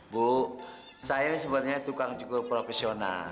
bu saya ini sebenarnya tukang cukur profesional